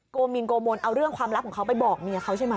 โมนโกมนเอาเรื่องความลับของเขาไปบอกเมียเขาใช่ไหม